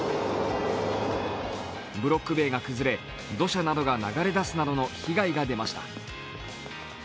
ブロック塀が崩れ、土砂などが流れ出す被害が出ました。